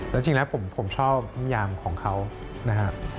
แล้วจริงแล้วผมชอบนิยามของเขานะครับ